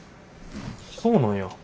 そうなんや。